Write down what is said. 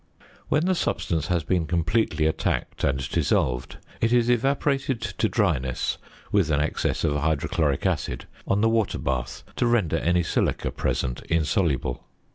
When the substance has been completely attacked and dissolved, it is evaporated to dryness with an excess of hydrochloric acid on the water bath to render any silica present insoluble.